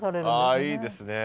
ああいいですね。